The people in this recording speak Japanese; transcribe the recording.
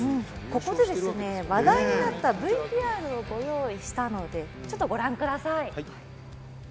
ここで話題になったＶＴＲをご用意したのでご覧ください。